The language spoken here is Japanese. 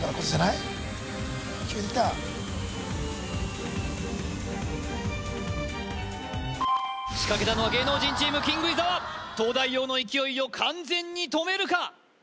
近づいてきた仕掛けたのは芸能人チームキング伊沢東大王の勢いを完全に止めるか？